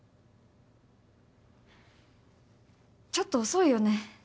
ちょっと遅いよね。